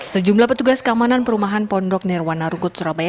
sejumlah petugas keamanan perumahan pondok nirwana rungkut surabaya